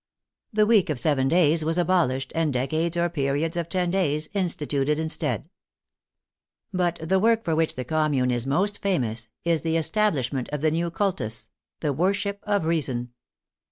The week of seven days was abolished and decades or periods of ten days instituted instead. But the work for which the Commune is most fa mous is the establishment of the new Cultus — the Wor ship of Reason.